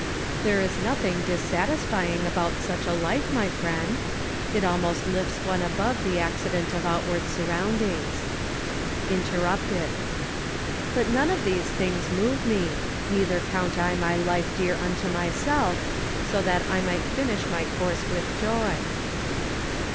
There is nothing dissatisfying about such a life, my friend. It almost lifts one above the accident of outward surroundings. Interrupted. " But none of these things move me , neither count I my life dear unto myself so that I might Jinish my course with joy